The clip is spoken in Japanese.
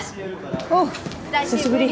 おう久しぶり。